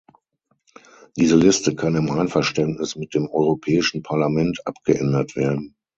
Diese Liste kann im Einverständnis mit dem Europäischen Parlament abgeändert werden.